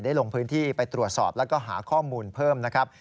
ลงพื้นที่ไปตรวจสอบแล้วก็หาข้อมูลเพิ่มนะครับ